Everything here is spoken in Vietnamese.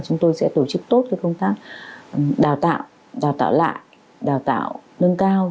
chúng tôi sẽ tổ chức tốt công tác đào tạo đào tạo lại đào tạo nâng cao